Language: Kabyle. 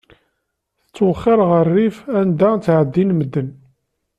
Ttwexxir ɣer rrif anda ttɛeddin medden.